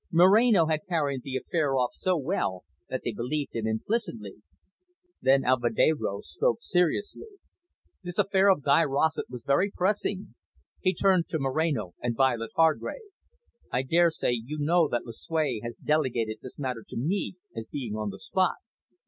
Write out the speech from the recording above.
Moreno had carried the affair off so well that they believed him implicitly. Then Alvedero spoke seriously. "This affair of Guy Rossett was very pressing." He turned to Moreno and Violet Hargrave. "I daresay you know that Lucue has delegated this matter to me, as being on the spot."